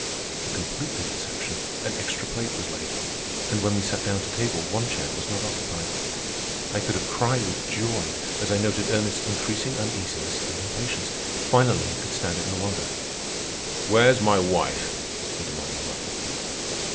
To complete the deception, an extra plate was laid, and when we sat down to table one chair was not occupied. I could have cried with joy as I noted Ernest's increasing uneasiness and impatience. Finally he could stand it no longer. "Where's my wife?" he demanded bluntly.